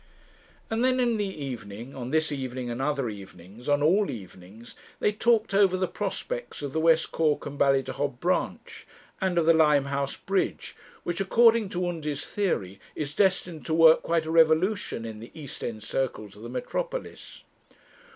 And then in the evening, on this evening and other evenings, on all evenings, they talked over the prospects of the West Cork and Ballydehob branch, and of the Limehouse Bridge, which according to Undy's theory is destined to work quite a revolution in the East end circles of the metropolis.